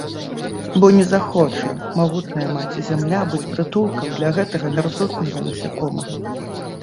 Бо не захоча магутная Маці-Зямля быць прытулкам для гэтага мярзотнага насякомага.